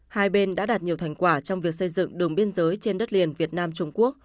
hai bên đã đạt nhiều thành quả trong việc xây dựng đường biên giới trên đất liền việt nam trung quốc